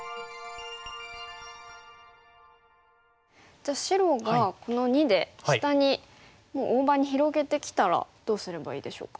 じゃあ白がこの②で下にもう大場に広げてきたらどうすればいいでしょうか？